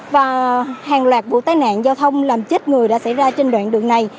và hàng loạt vụ tai nạn giao thông làm chết người đã xảy ra trên đoạn đường này